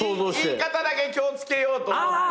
言い方だけ気を付けようと思って。